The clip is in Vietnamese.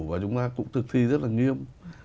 và chúng ta cũng thực thi rất là nghiêm